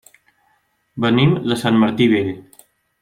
Venim de Sant Martí Vell.